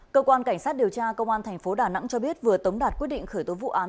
cơ quan cảnh sát điều tra công an tp đà nẵng cho biết vừa tống đạt quyết định khởi tố vụ án